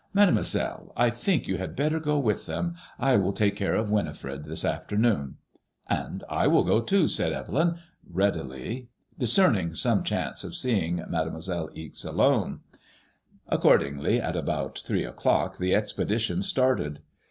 Mademoiselle, I think you had better go with them. I will take care of WiniiEred this after noon." And I will go too/* said Evelyn, readily, discerning some chance of seeing Mademoiselle Ixe alone. Accordingly, at about three o'clock, the expedition started.